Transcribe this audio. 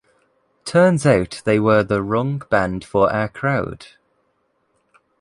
Turns out they were the wrong band for our crowd.